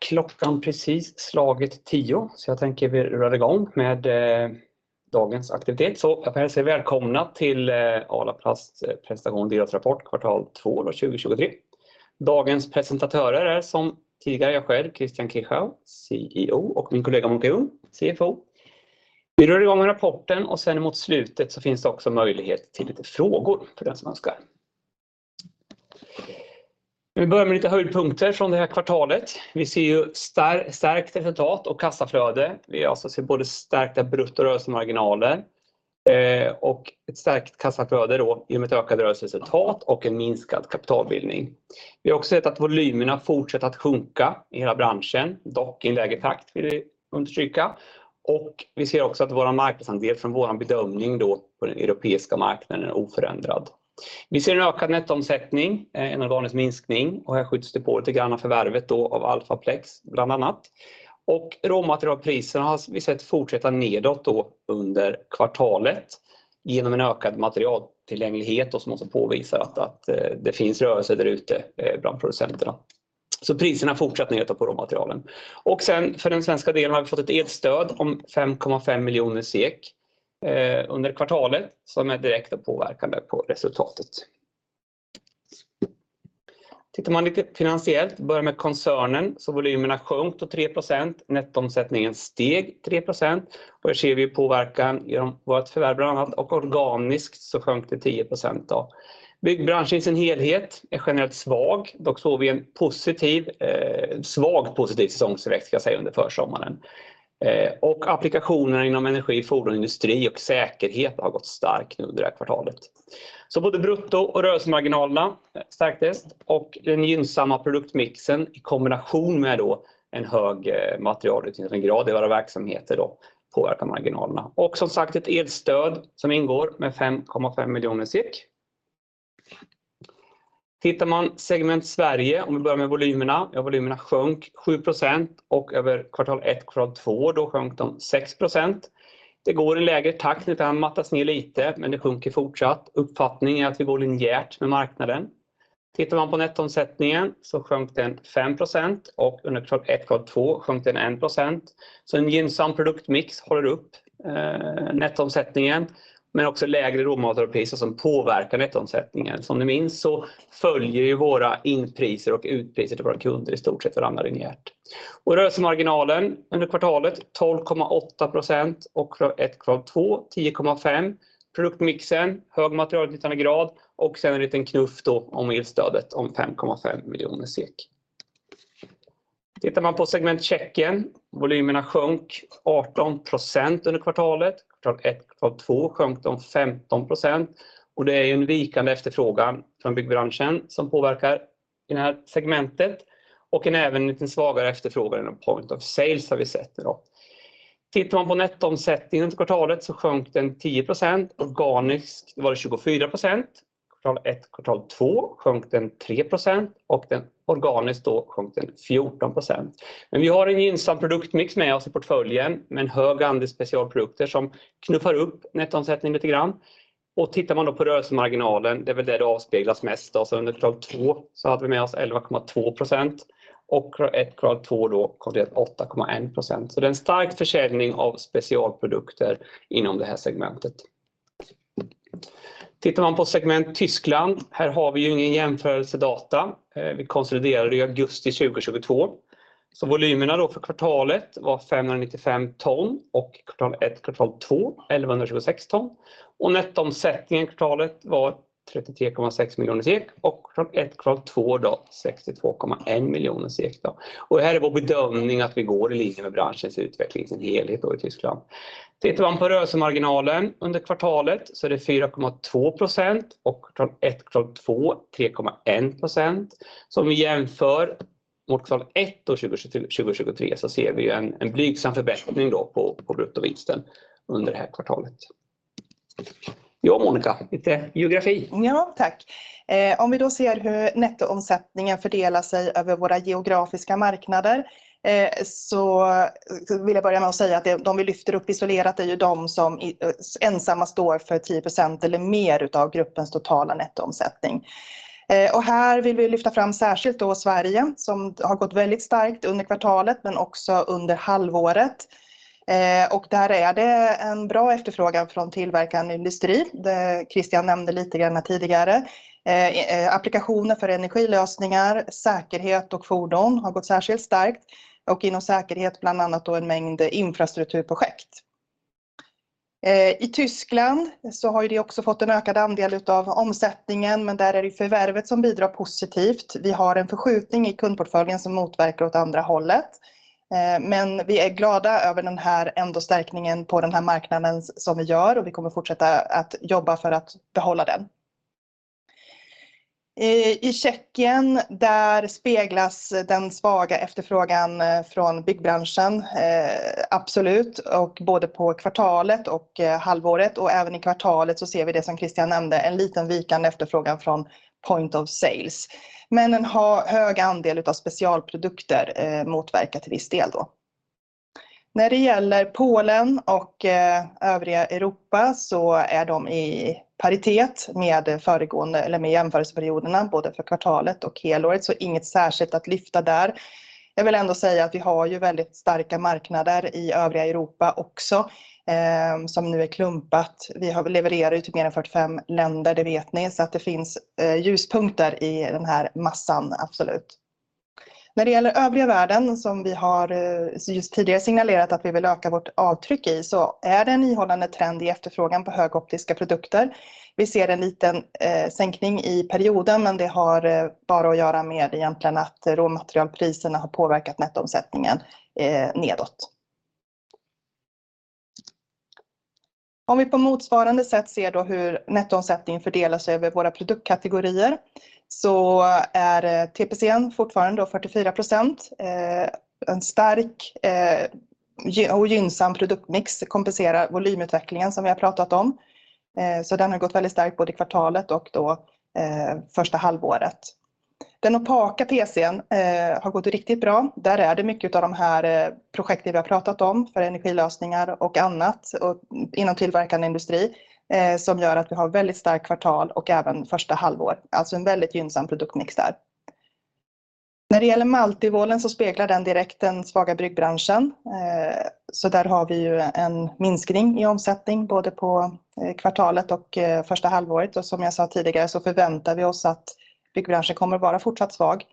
Klockan har precis slagit tio, så jag tänker vi rullar i gång med dagens aktivitet. Jag får hälsa er välkomna till Arla Plasts presentation av delårsrapport, kvartal två 2023. Dagens presentatörer är som tidigare jag själv, Christian Kinch, CEO, och min kollega Monica Ung, CFO. Vi rör i gång med rapporten och sedan mot slutet finns det också möjlighet till lite frågor för den som önskar. Vi börjar med lite höjdpunkter från det här kvartalet. Vi ser stärkt resultat och kassaflöde. Vi ser både stärkta brutto- och rörelsemarginaler och ett stärkt kassaflöde i och med ett ökat rörelseresultat och en minskad kapitalbildning. Vi har också sett att volymerna fortsätter att sjunka i hela branschen, dock i en lägre takt, vill vi understryka, och vi ser också att vår marknadsandel från vår bedömning på den europeiska marknaden är oförändrad. Vi ser en ökad nettoomsättning, en organisk minskning, och här skjuts det på lite grann av förvärvet av Alphaplex, bland annat. Råmaterialpriser har vi sett fortsätta nedåt under kvartalet genom en ökad materialtillgänglighet som också påvisar att det finns rörelse där ute bland producenterna. Priserna fortsätter nedåt på råmaterialen. För den svenska delen har vi fått ett elstöd om SEK 5,5 miljoner under kvartalet som är direkt påverkande på resultatet. Tittar man lite finansiellt, börjar med koncernen, så volymerna har sjunkit tre procent, nettoomsättningen steg 3%. Här ser vi påverkan genom vårt förvärv bland annat, och organiskt sjönk det 10%. Byggbranschen i sin helhet är generellt svag, dock såg vi en svagt positiv säsongstillväxt under försommaren. Applikationer inom energi, fordon, industri och säkerhet har gått starkt under det här kvartalet. Både brutto- och rörelsemarginalerna stärktes och den gynnsamma produktmixen i kombination med en hög materialutnyttjandegrad i våra verksamheter påverkar marginalerna. Ett elstöd ingår med SEK 5,5 miljoner. Tittar man på segment Sverige och börjar med volymerna sjönk de 7% över kvartal ett och kvartal två, då sjönk de 6%. Det går i lägre takt, det har mattats ner lite, men det sjunker fortsatt. Uppfattningen är att vi går linjärt med marknaden. Tittar man på nettoomsättningen sjönk den 5% och under kvartal ett och kvartal två sjönk den 1%. En gynnsam produktmix håller upp nettoomsättningen, men också lägre råmaterialpriser påverkar nettoomsättningen. Som ni minns följer våra inpriser och utpriser till våra kunder i stort sett varandra linjärt. Rörelsemarginalen under kvartalet var 12,8% och kvartal ett, kvartal två, 10,5%. Produktmixen, hög materialutnyttjandegrad och sedan en liten knuff om elstödet om SEK 5,5 miljoner. Tittar man på segment Tjeckien sjönk volymerna 18% under kvartalet. Kvartal ett, kvartal två sjönk de 15% och det är en vikande efterfrågan från byggbranschen som påverkar i det här segmentet och en även en liten svagare efterfrågan än på Point of Sale har vi sett. Tittar man på nettoomsättningen under kvartalet sjönk den 10%. Organiskt var det 24%. Kvartal ett, kvartal två sjönk den 3% och organiskt sjönk den 14%. Vi har en gynnsam produktmix med oss i portföljen med en hög andel specialprodukter som knuffar upp nettoomsättningen lite grann. Tittar man på rörelsemarginalen, det är där det avspeglas mest. Under kvartal två hade vi med oss 11,2% och kvartal ett till kvartal två kom det 8,1%. Det är en stark försäljning av specialprodukter inom det här segmentet. Tittar man på segment Tyskland, här har vi ingen jämförelsedata. Vi konsoliderade i augusti 2022. Volymerna för kvartalet var 595 ton och kvartal ett till kvartal två, 1 126 ton. Nettoomsättningen för kvartalet var SEK 33,6 miljoner och kvartal ett till kvartal två SEK 62,1 miljoner. Vår bedömning är att vi går i linje med branschens utveckling i sin helhet i Tyskland. Tittar man på rörelsemarginalen under kvartalet så är det 4,2% och kvartal ett, kvartal två, 3,1%. Om vi jämför mot kvartal ett 2023 ser vi en blygsam förbättring på bruttovinsten under det här kvartalet. Ja, Monica, lite geografi. Om vi då ser hur nettoomsättningen fördelar sig över våra geografiska marknader, så vill jag börja med att säga att de vi lyfter upp isolerat är ju dem som, ensamma, står för 10% eller mer utav gruppens totala nettoomsättning. Här vill vi lyfta fram särskilt då Sverige, som har gått väldigt starkt under kvartalet, men också under halvåret. Där är det en bra efterfrågan från tillverkande industri. Det Christian nämnde lite grann här tidigare. Applikationer för energilösningar, säkerhet och fordon har gått särskilt starkt och inom säkerhet, bland annat då en mängd infrastrukturprojekt. I Tyskland så har ju det också fått en ökad andel utav omsättningen, men där är det förvärvet som bidrar positivt. Vi har en förskjutning i kundportföljen som motverkar åt andra hållet. Vi är glada över den här stärkningen på den här marknaden som vi gör, och vi kommer fortsätta att jobba för att behålla den. I Tjeckien speglas den svaga efterfrågan från byggbranschen, absolut, och både på kvartalet och halvåret ser vi det som Christian nämnde, en liten vikande efterfrågan från Point of Sale. En hög andel utav specialprodukter motverkar till viss del då. När det gäller Polen och övriga Europa så är de i paritet med föregående, eller med jämförelseperioderna, både för kvartalet och helåret, så inget särskilt att lyfta där. Jag vill ändå säga att vi har väldigt starka marknader i övriga Europa också, som nu är klumpat. Vi levererar ju till mer än 45 länder, det vet ni, så att det finns ljuspunkter i den här massan, absolut. När det gäller övriga världen, som vi just tidigare har signalerat att vi vill öka vårt avtryck i, så är det en ihållande trend i efterfrågan på högoptiska produkter. Vi ser en liten sänkning i perioden, men det har bara att göra med att råmaterialpriserna har påverkat nettoomsättningen nedåt. Om vi på motsvarande sätt ser hur nettoomsättningen fördelas över våra produktkategorier, så är TPC:n fortfarande 44%. En stark och gynnsam produktmix kompenserar volymutvecklingen som vi har pratat om, så den har gått väldigt starkt både i kvartalet och första halvåret. Den opaka PC:n har gått riktigt bra. Där är det mycket av de här projekten vi har pratat om för energilösningar och annat och inom tillverkande industri, som gör att vi har ett väldigt starkt kvartal och även första halvår. Alltså en väldigt gynnsam produktmix där. När det gäller malt i volen så speglar den direkt den svaga bryggbranschen. Där har vi en minskning i omsättning, både på kvartalet och första halvåret. Som jag sa tidigare så förväntar vi oss att bryggbranschen kommer att vara fortsatt svag,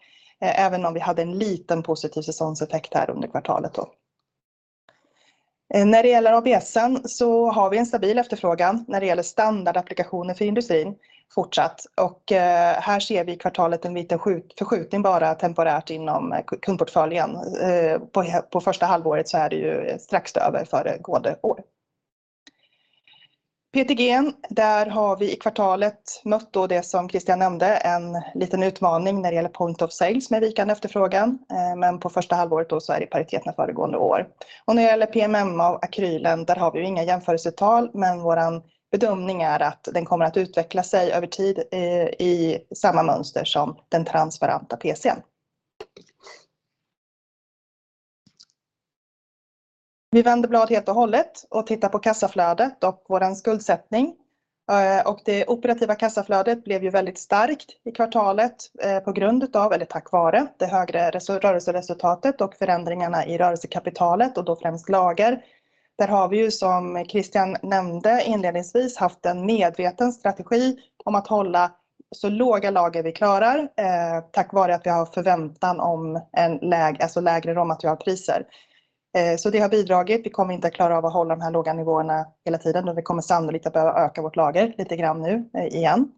även om vi hade en liten positiv säsongseffekt här under kvartalet. När det gäller ABS:en så har vi en stabil efterfrågan när det gäller standardapplikationer för industrin, fortsatt, och här ser vi i kvartalet en liten förskjutning, bara temporärt inom kundportföljen. På första halvåret så är det strax över föregående år. PETG, där har vi i kvartalet mött det som Christian nämnde, en liten utmaning när det gäller Point of Sale med vikande efterfrågan, men på första halvåret så är det paritet med föregående år. När det gäller PMMA och akrylen har vi inga jämförelsetal, men vår bedömning är att den kommer att utveckla sig över tid i samma mönster som den transparenta PC:n. Vi vänder blad helt och hållet och tittar på kassaflödet och vår skuldsättning. Det operativa kassaflödet blev väldigt starkt i kvartalet, på grund av det högre rörelseresultatet och förändringarna i rörelsekapitalet och då främst lager. Där har vi, som Christian nämnde inledningsvis, haft en medveten strategi om att hålla så låga lager vi klarar, tack vare att vi har förväntan om lägre råmaterialpriser. Det har bidragit. Vi kommer inte att klara av att hålla de här låga nivåerna hela tiden, men vi kommer sannolikt att behöva öka vårt lager lite grann nu igen.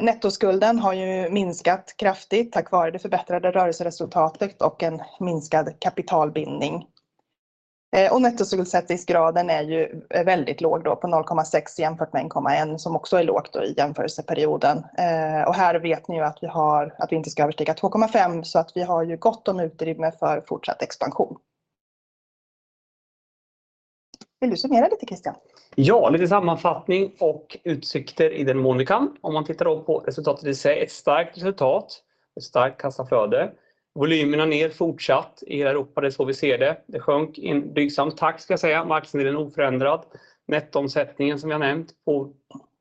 Nettoskulden har minskat kraftigt tack vare det förbättrade rörelseresultatet och en minskad kapitalbindning. Nettoskuldsättningsgraden är väldigt låg på 0,6 jämfört med 1,1, som också är lågt i jämförelseperioden. Här vet ni att vi inte ska överstiga 2,5, så att vi har gott om utrymme för fortsatt expansion. Vill du summera lite, Christian? Ja, lite sammanfattning och utsikter i den mån vi kan. Om man tittar på resultatet i sig, ett starkt resultat, ett starkt kassaflöde. Volymerna ner fortsatt i hela Europa, det är så vi ser det. Det sjönk i en dygsamtakt ska jag säga. Marknadsdelen oförändrad. Nettoomsättningen, som vi har nämnt,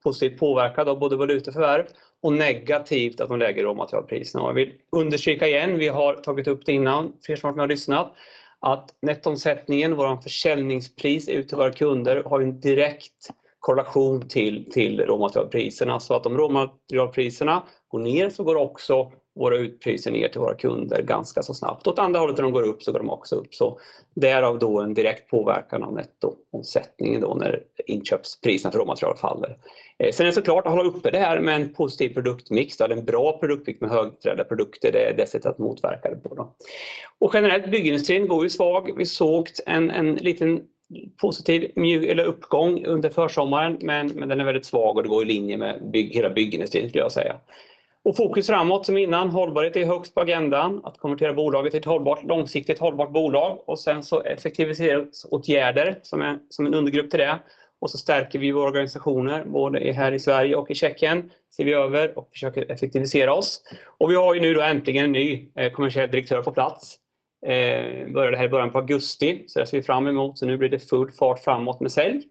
positivt påverkad av både valuta och förvärv och negativt av de lägre råmaterialpriser. Jag vill understryka igen, vi har tagit upp det innan, er som har lyssnat, att nettoomsättningen, vår försäljningspris ut till våra kunder, har en direkt korrelation till råmaterialpriserna. Så att om råmaterialpriserna går ner så går också våra utpriser ner till våra kunder ganska snabbt. Åt andra hållet, när de går upp, så går de också upp. Därav en direkt påverkan av nettoomsättningen när inköpspriserna för råmaterial faller. Sen är det så klart att hålla uppe det här med en positiv produktmix. Det är en bra produktmix med högt värderade produkter, det sättet att motverka det på. Generellt går byggindustrin svag. Vi såg en liten positiv mjuk uppgång under försommaren, men den är väldigt svag och det går i linje med hela byggindustrin, skulle jag säga. Fokus framåt, som innan, är hållbarhet högst på agendan. Att konvertera bolaget till ett hållbart, långsiktigt hållbart bolag, och sen effektiviseringsåtgärder som en undergrupp till det. Vi stärker våra organisationer, både här i Sverige och i Tjeckien, ser vi över och försöker effektivisera oss. Vi har nu äntligen en ny Kommersiell Direktör på plats, som började här i början på augusti, så det ser vi fram emot. Nu blir det full fart framåt med sälj.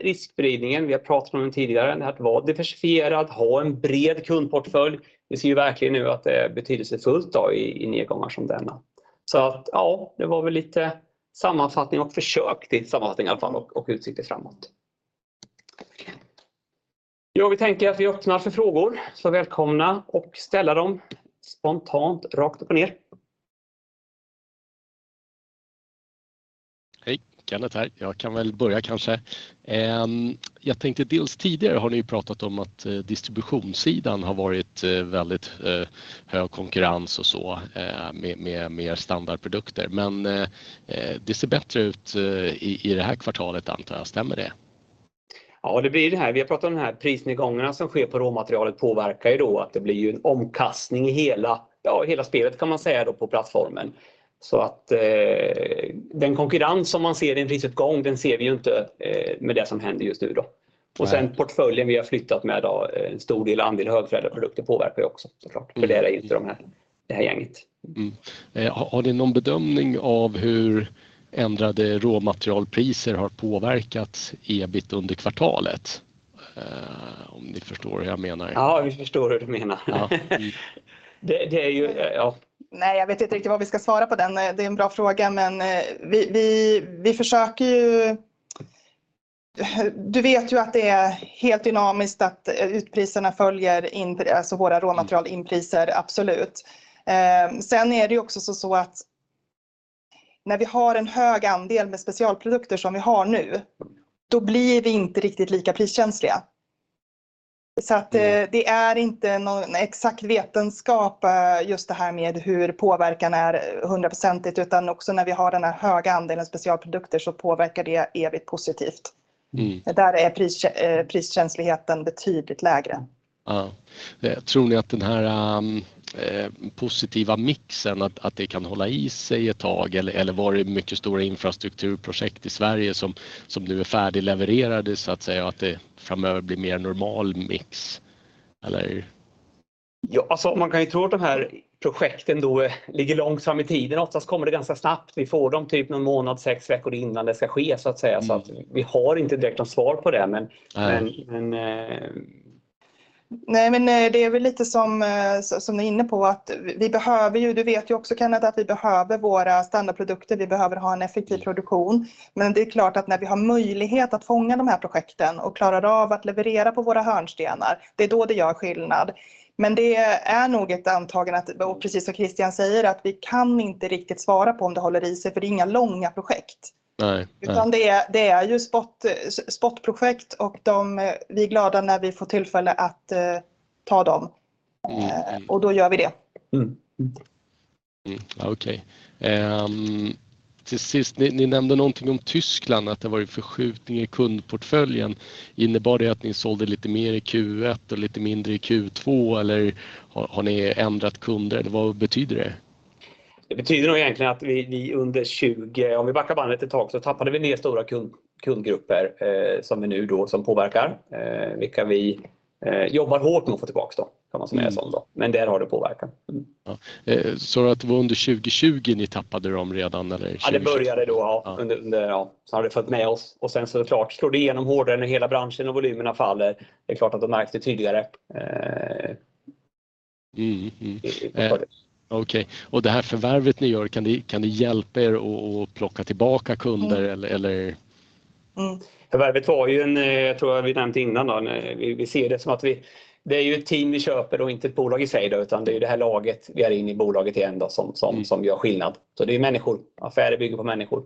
Riskspridningen, vi har pratat om den tidigare, det här att vara diversifierad, ha en bred kundportfölj. Vi ser verkligen nu att det är betydelsefullt i nedgångar som denna. Det var en sammanfattning och försök till sammanfattning i alla fall och utsikter framåt. Jag vill att vi öppnar för frågor, välkomna att ställa dem spontant, rakt upp och ner. Hej, Kenneth här. Jag tänkte, dels har ni tidigare pratat om att distributionssidan har varit väldigt hög konkurrens med mer standardprodukter. Det ser bättre ut i det här kvartalet, antar jag. Stämmer det? Det blir det här. Vi har pratat om de här prisnedgångarna som sker på råmaterialet, påverkar ju att det blir en omkastning i hela spelet, kan man säga, på plattformen. Den konkurrens som man ser i en prisuppgång, den ser vi ju inte med det som händer just nu. Portföljen vi har flyttat med, en stor andel högförädlade produkter, påverkar ju också, så klart. För det är inte det här gänget. Har ni någon bedömning av hur ändrade råmaterialpriser har påverkat EBIT under kvartalet, om ni förstår hur jag menar? Ja, vi förstår hur du menar. Nej, jag vet inte riktigt vad vi ska svara på den. Det är en bra fråga, men vi försöker ju... Du vet ju att det är helt dynamiskt, att utpriserna följer in, alltså våra råmaterial inpriser, absolut. Sen är det ju också så att när vi har en hög andel med specialprodukter som vi har nu, då blir vi inte riktigt lika priskänsliga. Så att det är inte någon exakt vetenskap, just det här med hur påverkan är 100%, utan också när vi har den här höga andelen specialprodukter så påverkar det EBIT positivt. Mm. Där är priskänsligheten betydligt lägre. Tror ni att den här positiva mixen kan hålla i sig ett tag? Eller var det mycket stora infrastrukturprojekt i Sverige som nu är färdiglevererade, så att säga, att det framöver blir mer normal mix? Man kan ju tro att de här projekten ligger långt fram i tiden. Oftast kommer det ganska snabbt. Vi får dem typ någon månad, sex veckor innan det ska ske. Vi har inte direkt något svar på det. Det är lite som du är inne på att vi behöver, du vet ju också Kenneth, att vi behöver våra standardprodukter. Vi behöver ha en effektiv produktion, men det är klart att när vi har möjlighet att fånga de här projekten och klarar av att leverera på våra hörnstenar, det är då det gör skillnad. Men det är nog ett antagande, och precis som Christian säger, att vi kan inte riktigt svara på om det håller i sig, för det är inga långa projekt. Nej. Det är spottprojekt och vi är glada när vi får tillfälle att ta dem. Då gör vi det. Okej. Till sist, ni nämnde någonting om Tyskland, att det har varit förskjutning i kundportföljen. Innebar det att ni sålde lite mer i Q1 och lite mindre i Q2? Eller har ni ändrat kunder? Vad betyder det? Det betyder nog egentligen att vi, under tjugo, om vi backar bandet ett tag, så tappade vi stora kundgrupper, som påverkar, vilka vi jobbar hårt med att få tillbaka. Men där har det påverkat. Det var under 2020 ni tappade dem redan? Det började under den perioden, och sedan har det följt med oss. När hela branschen och volymerna faller slår det igenom hårdare. Det märks tydligare då. Okej, och det här förvärvet ni gör, kan det hjälpa er att plocka tillbaka kunder? Förvärvet var ju ett, jag tror vi nämnt det innan. Vi ser det som att det är ett team vi köper och inte ett bolag i sig, utan det är det här laget som gör skillnad. Vi är in i bolaget igen då, som gör skillnad. Det är människor. Affärer bygger på människor.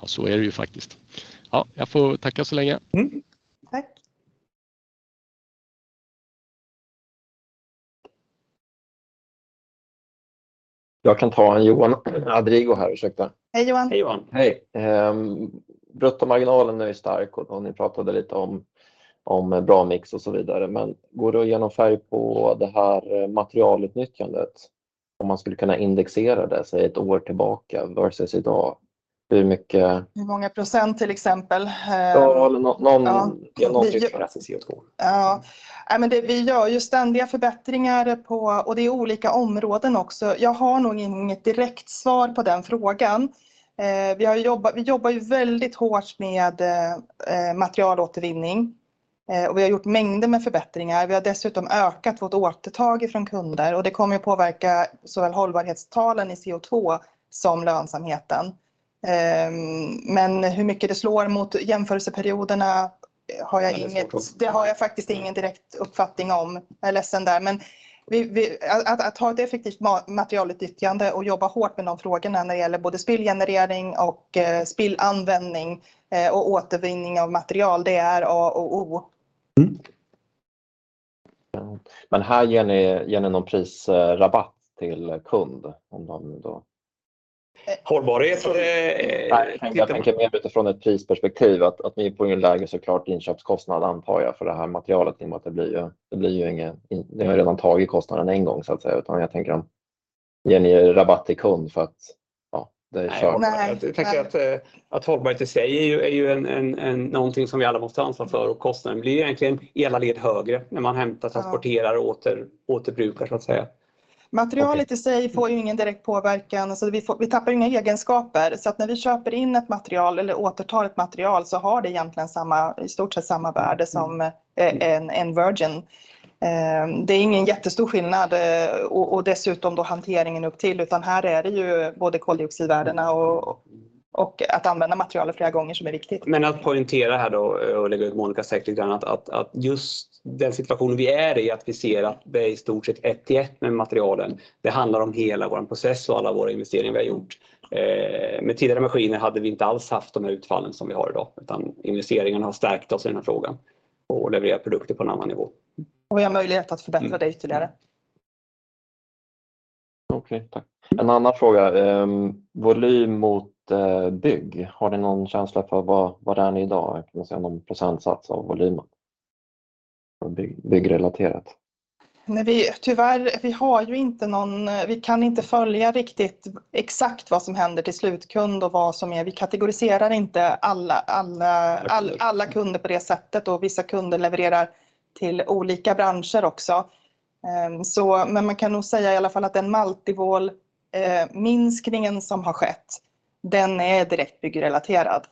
Ja, så är det ju faktiskt. Jag får tacka så länge. Tack! Jag kan ta en Johan, Adrigo här. Ursäkta. Hej Johan! Hej Johan. Hej! Bruttomarginalen är ju stark och ni pratade lite om bra mix och så vidare. Men går det att genomföra på det här materialutnyttjandet? Om man skulle kunna indexera det, säg ett år tillbaka versus i dag. Hur mycket- Hur många procent, till exempel? Ja, eller någon, någon CO₂. Vi gör ju ständiga förbättringar på olika områden också. Jag har nog inget direkt svar på den frågan. Vi har jobbat, vi jobbar ju väldigt hårt med materialåtervinning, och vi har gjort mängder med förbättringar. Vi har dessutom ökat vårt återtag ifrån kunder och det kommer att påverka såväl hållbarhetstalen i CO₂ som lönsamheten. Men hur mycket det slår mot jämförelseperioderna har jag faktiskt ingen direkt uppfattning om. Jag är ledsen där, men att ha ett effektivt materialutnyttjande och jobba hårt med de frågorna när det gäller både spillgenerering och spillanvändning, och återvinning av material, det är A och O. Men här ger ni någon prisrabatt till kund, om de då- Hållbarhet? Utifrån ett prisperspektiv, att ni på ingen lägger så klart inköpskostnad, antar jag, för det här materialet, i och med att det blir ingen. Ni har redan tagit kostnaden en gång, så att säga. Men om ni ger rabatt till kund för att, ja, det är kört. Nej. Jag tänker att hållbarhet i sig är någonting som vi alla måste ansvara för, och kostnaden blir egentligen i alla led högre när man hämtar, transporterar och återbrukar. Materialet i sig får ju ingen direkt påverkan, så vi tappar inga egenskaper. När vi köper in ett material eller återtar ett material så har det egentligen samma, i stort sett samma värde som en virgin. Det är ingen jättestor skillnad, och dessutom hanteringen upp till, utan här är det ju både koldioxidvärdena och att använda materialet flera gånger som är viktigt. Att poängtera här är att just den situationen vi är i, att vi ser att det är i stort sett ett till ett med materialen. Det handlar om hela vår process och alla våra investeringar vi har gjort. Med tidigare maskiner hade vi inte alls haft de här utfallen som vi har i dag, utan investeringen har stärkt oss i den här frågan och levererat produkter på en annan nivå. Och vi har möjlighet att förbättra det ytterligare. Okej, tack. En annan fråga: volym mot bygg. Har ni någon känsla för vad, var är ni i dag? Kan man säga någon procentsats av volymen, byggrelaterat? Nej, tyvärr, vi har ju inte någon möjlighet att följa riktigt exakt vad som händer till slutkund och vad som är. Vi kategoriserar inte alla kunder på det sättet och vissa kunder levererar till olika branscher också. Men man kan nog säga att Multiwall-minskningen som har skett är direkt byggrelaterad.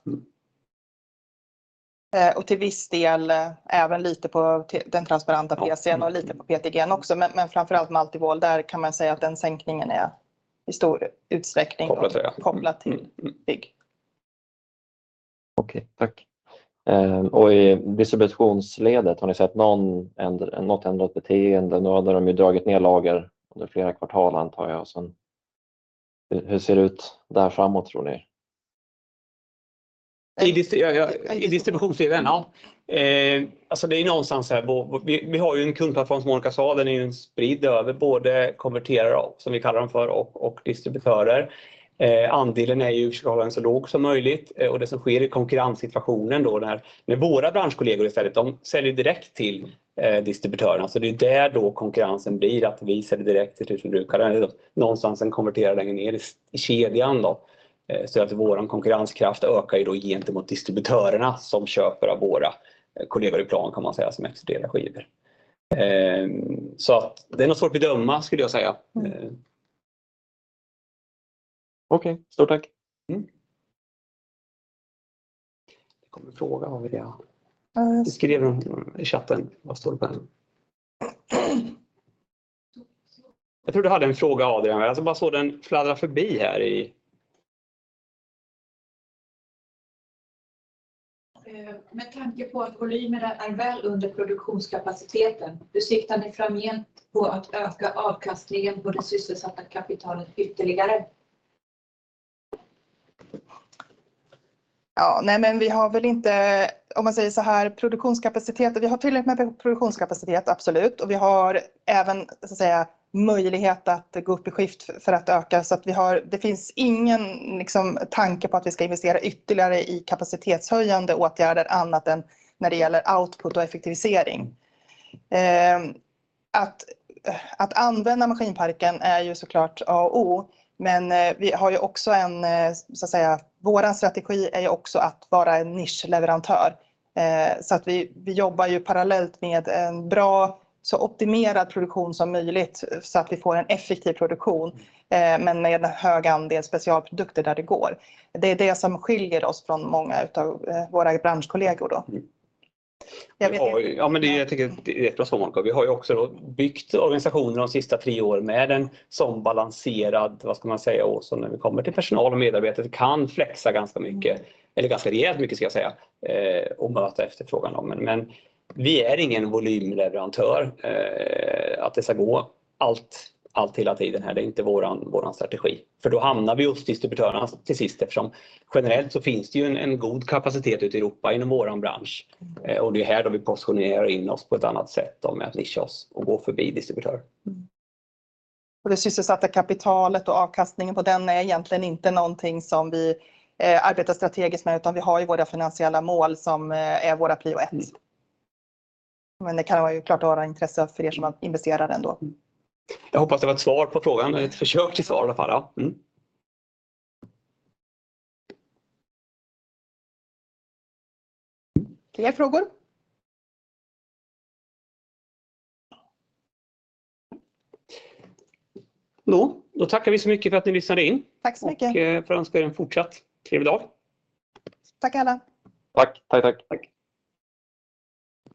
Och till viss del även lite på den transparenta PVC-en och lite på PETG också, men framför allt Multiwall, där kan man säga att sänkningen i stor utsträckning är kopplat till bygg. Okej, tack. I distributionsledet, har ni sett något ändrat beteende? Nu har de ju dragit ner lager under flera kvartal, antar jag. Hur ser det ut där framåt, tror ni? Distributionssidan? Alltså, det är någonstans här. Vi har ju en kundplattform, som Monica sa, den är ju spridd över både konverterare, som vi kallar dem för, och distributörer. Andelen är ju ska vara så låg som möjligt och det som sker i konkurrenssituationen då, när med våra branschkollegor istället, de säljer direkt till distributörerna. Det är där då konkurrensen blir att vi säljer direkt till slutkund, någonstans en konverterare längre ner i kedjan då. Vår konkurrenskraft ökar ju då gentemot distributörerna som köper av våra kollegor i plan, kan man säga, som exporterar skivor. Det är nog svårt att bedöma skulle jag säga. Okej, stort tack! Mm. Det kom en fråga av det. Du skrev om i chatten. Vad står det på den? Jag tror du hade en fråga, Adrian. Jag bara såg den fladdra förbi här i. Med tanke på att volymerna är väl under produktionskapaciteten, hur siktar ni framgent på att öka avkastningen på det sysselsatta kapital ytterligare? Vi har tillräckligt med produktionskapacitet, absolut, och vi har även möjlighet att gå upp i skift för att öka. Det finns ingen tanke på att vi ska investera ytterligare i kapacitetshöjande åtgärder, annat än när det gäller output och effektivisering. Att använda maskinparken är såklart A och O, men vår strategi är också att vara en nischleverantör. Vi jobbar parallellt med en så optimerad produktion som möjligt, för att få en effektiv produktion, men med hög andel specialprodukter där det går. Det är det som skiljer oss från många av våra branschkollegor. Ja, men det tycker jag är rätt bra, Monica. Vi har ju också byggt organisationen de sista tre år med en sådan balanserad, vad ska man säga, åsikt om när vi kommer till personal och medarbetare. Vi kan flexa ganska mycket, eller ganska rejält mycket ska jag säga, och möta efterfrågan då. Men vi är ingen volymleverantör. Att det ska gå allt, allt hela tiden, det är inte vår strategi, för då hamnar vi hos distributörerna till sist. Eftersom generellt så finns det ju en god kapacitet ut i Europa inom vår bransch och det är här då vi positionerar oss på ett annat sätt än med att nischa oss och gå förbi distributörer. Det sysselsatta kapitalet och avkastningen på det är egentligen inte någonting som vi arbetar strategiskt med, utan vi har våra finansiella mål som är våra prio ett. Det kan vara av klart intresse för er som investerar ändå. Jag hoppas det var ett svar på frågan, ett försök till svar i alla fall. Fler frågor? Nu tackar vi så mycket för att ni lyssnade in. Tack så mycket! Och får önska er en fortsatt trevlig dag. Tack alla. Tack, tack, tack, tack!